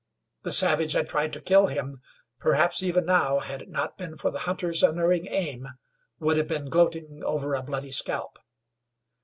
The savage had tried to kill him, perhaps, even now, had it not been for the hunter's unerring aim, would have been gloating over a bloody scalp.